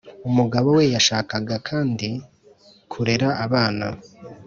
umugabo we yashakaga kandi kurera abana.